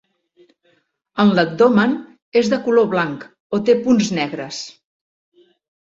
En l'abdomen, és de color blan o té punts negres.